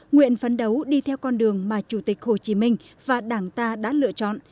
nguyện phấn đấu đi theo con đường mà chủ tịch hồ chí minh và đảng ta đã lựa chọn